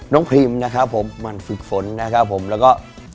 พรีมนะครับผมมันฝึกฝนนะครับผมแล้วก็